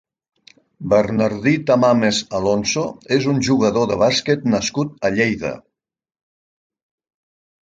Bernardí Tamames Alonso és un jugador de bàsquet nascut a Lleida.